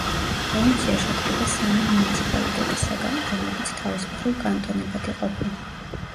პროვინცია შედგება სამი მუნიციპალიტეტისაგან, რომლებიც თავის მხრივ კანტონებად იყოფა.